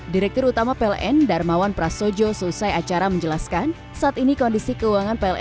direktur utama pln darmawan prasojo selesai acara menjelaskan saat ini kondisi keuangan pln